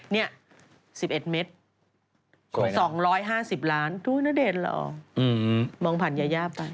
นี่๑๑เมตร๒๕๐ล้านดูณเดชน์เหรอมองผ่านยายาไป